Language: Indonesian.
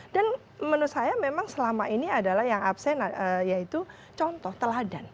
dan menurut saya memang selama ini adalah yang absen yaitu contoh teladan